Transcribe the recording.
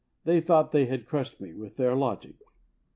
they thought they had crushed me with their logic.